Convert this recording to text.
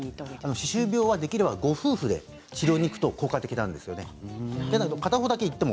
歯周病は、ご夫婦で治療に行くと効果的なんですよね。